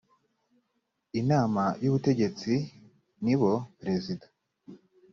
inama y ubutegetsi nibo perezida